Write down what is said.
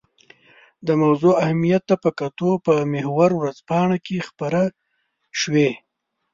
د موضوع اهمیت ته په کتو په محور ورځپاڼه کې خپره شوې.